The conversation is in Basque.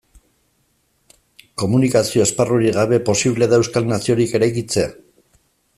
Komunikazio esparrurik gabe, posible da euskal naziorik eraikitzea?